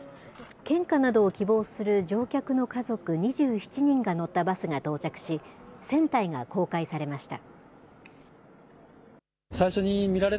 献花などを希望する乗客の家族２７人が乗ったバスが到着し、船体が公開されました。